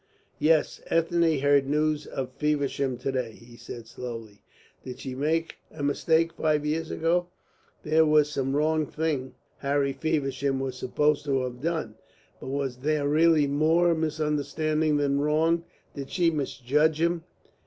"Yes, Ethne heard news of Feversham to day," he said slowly. "Did she make a mistake five years ago? There was some wrong thing Harry Feversham was supposed to have done. But was there really more misunderstanding than wrong? Did she misjudge him?